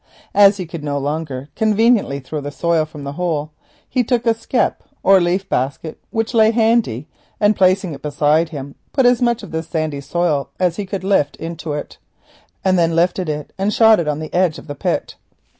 As he could no longer conveniently throw the earth from the hole he took a "skep" or leaf basket, which lay handy, and, placing it beside him, put as much of the sandy soil as he could carry into it, and then lifting shot it on the edge of the pit.